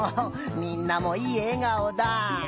みんなもいいえがおだ。